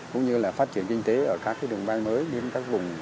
cũng như là phát triển kinh tế ở các đường bay mới đến các vùng